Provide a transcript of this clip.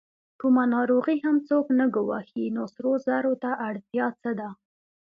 کومه ناروغي هم څوک نه ګواښي، نو سرو زرو ته اړتیا څه ده؟